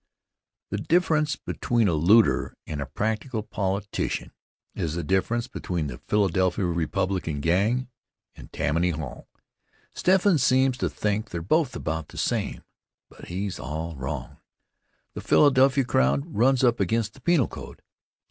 The difference between a looter and a practical politician is the difference between the Philadelphia Republican gang and Tammany Hall. Steffens seems to think they're both about the same; but he's all wrong. The Philadelphia crowd runs up against the penal code.